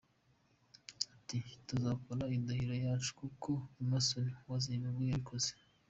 Ati “Tuzakora indahiro yacu nk’uko Emmerson wa Zimbabwe yabikoze.